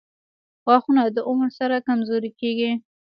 • غاښونه د عمر سره کمزوري کیږي.